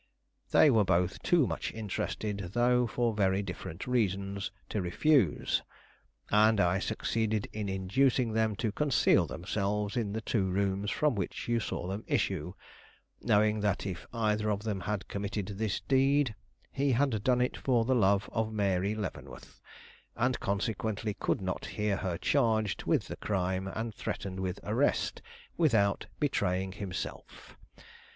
They were both too much interested, though for very different reasons, to refuse; and I succeeded in inducing them to conceal themselves in the two rooms from which you saw them issue, knowing that if either of them had committed this deed, he had done it for the love of Mary Leavenworth, and consequently could not hear her charged with crime, and threatened with arrest, without betraying himself.